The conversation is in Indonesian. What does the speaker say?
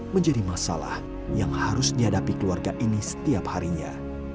menjadi masalah yang harus dihadapi keluarga ini setiap harinya